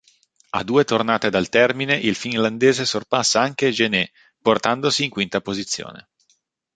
A due tornate dal termine il finlandese sorpassa anche Gené, portandosi in quinta posizione.